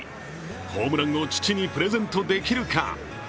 ホームランを父にプレゼントできるか。